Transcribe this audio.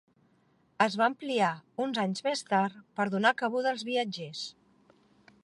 Es va ampliar uns anys més tard per donar cabuda als viatgers.